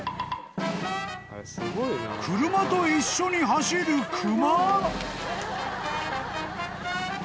［車と一緒に走る熊！？］